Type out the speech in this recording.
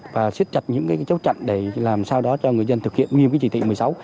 và siết chặt những chấu chặn để làm sao đó cho người dân thực hiện nguyên trị tị một mươi sáu